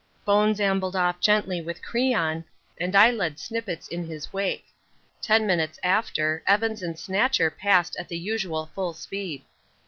Bones ambled off gently with Crean, and I led Snippets in his wake. Ten minutes after Evans and Snatcher passed at the usual full speed.